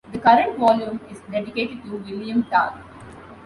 The current volume is dedicated to William Targ.